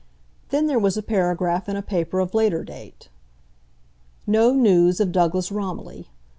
Then there was a paragraph in a paper of later date: NO NEWS OF DOUGLAS ROMILLY.